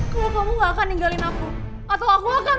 kalau kamu gak akan meninggalin aku atau aku akan